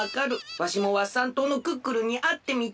わしもワッサン島のクックルンにあってみたい。